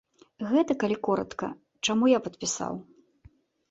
Гэта, калі коратка, чаму я падпісаў.